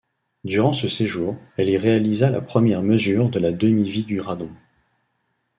Durant ce séjour, elle y réalisa la première mesure de la demi-vie du radon.